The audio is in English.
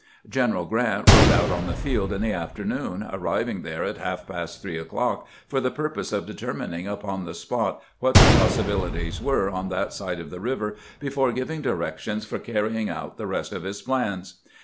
G eneral Grant rode out on the field in the afternoon, arriving there at half past three o'clock, for the purpose of determining upon the spot what the possibilities were on that side of the river before giving directions for carrying out the rest of his plans.